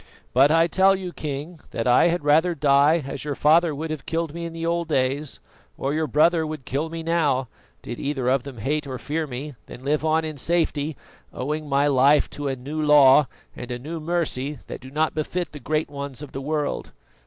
But I tell you, King, that I had rather die as your father would have killed me in the old days, or your brother would kill me now, did either of them hate or fear me, than live on in safety, owing my life to a new law and a new mercy that do not befit the great ones of the world.